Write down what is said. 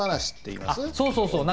そうそうそう。